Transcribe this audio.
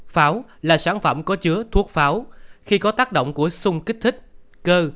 pháo là sản phẩm có chứa thuốc pháo khi có tác động của sung kích thích cơ